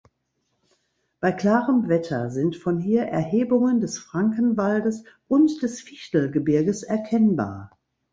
Bei klarem Wetter sind von hier Erhebungen des Frankenwaldes und des Fichtelgebirges erkennbar.